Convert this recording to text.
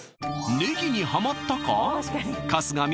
ねぎにハマったか？